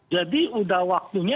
jadi udah waktunya